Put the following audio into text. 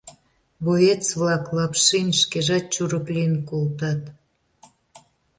Боец-влак, Лапшин шкежат чурык лийын колтат.